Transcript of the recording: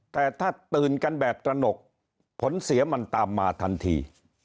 แต่ถ้าตื่นกันแบบตระหนกผลเสียมันตามมาทันที